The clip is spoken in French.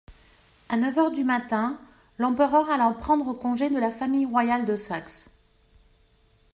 À neuf heures du matin, l'empereur alla prendre congé de la famille royale de Saxe.